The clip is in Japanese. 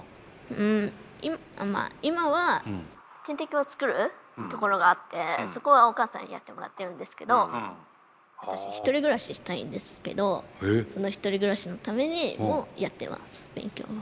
うん今は点滴を作るところがあってそこはお母さんにやってもらってるんですけど私１人暮らししたいんですけどその１人暮らしのためにもやってます勉強を。